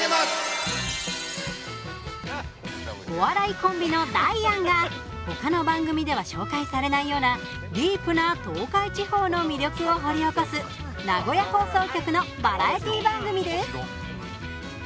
お笑いコンビのダイアンが他の番組では紹介されないようなディープな東海地方の魅力を掘り起こす名古屋放送局のバラエティー番組です。